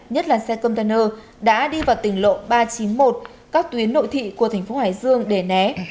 nhất là xe container đã đi vào tỉnh lộ ba trăm chín mươi một các tuyến nội thị của thành phố hải dương để né